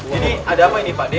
jadi ada apa ini pakde